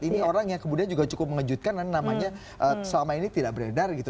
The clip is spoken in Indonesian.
ini orang yang kemudian juga cukup mengejutkan namanya selama ini tidak beredar gitu